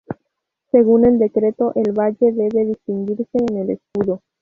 Según el decreto el valle debe distinguirse en el escudo.